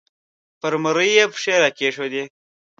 پر مرۍ یې پښې را کېښودې